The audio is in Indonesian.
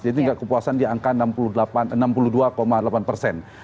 jadi kepuasan di angka enam puluh dua delapan persen